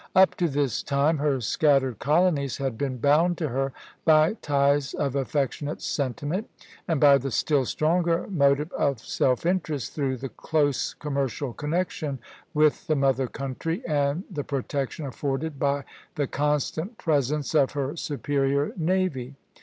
Up to this time her scattered colonies had been bound to her by ties of affectionate sentiment, and by the still stronger motive of self interest through the close commercial connection with the mother country and the protection afforded by the constant presence of her superior navy.